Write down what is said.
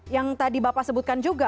yang tadi bapak sebutkan juga